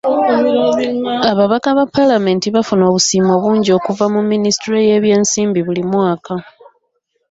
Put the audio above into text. Ababaka ba palamenti bafuna obusiimo bungi okuva mu minisitule y'ebyensimbi buli mwaka.